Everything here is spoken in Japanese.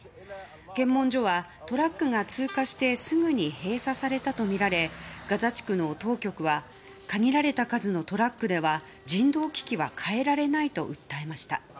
検問所はトラックが通過してすぐに閉鎖されたとみられガザ地区の当局は限られた数のトラックでは人道危機は変えられないと訴えました。